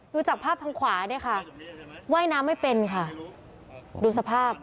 ดูจากภาพข้างขวาว่ายน้ำไม่เป็นดูสภาพ